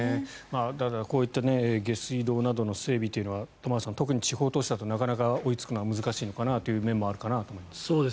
ただ、こういった下水道などの整備というのは玉川さん、特に地方都市だとなかなか追いつくのは難しいかなという面もあると思います。